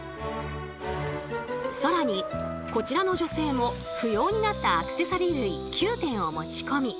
更にこちらの女性も不要になったアクセサリー類９点を持ち込み。